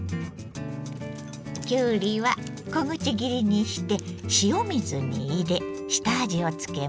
きゅうりは小口切りにして塩水に入れ下味をつけます。